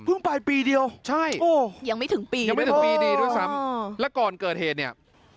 เพิ่งปลายปีเดียวยังไม่ถึงปีด้วยซ้ำแล้วก่อนเกิดเหตุเนี่ย